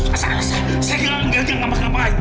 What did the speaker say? asah asah saya tidak mau ngajang apa apa